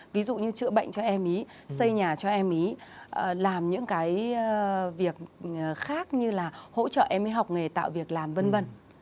ví dụ như chữa bệnh cho em ý xây nhà cho em ý làm những cái việc khác như là hỗ trợ em ấy học nghề tạo việc làm v v